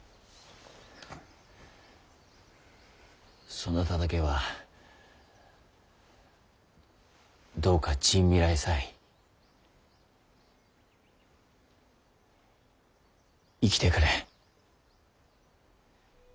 そなただけはどうか尽未来際生きてくれ。